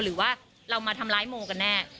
หรือว่าเรามาทำร้ายโมกันแน่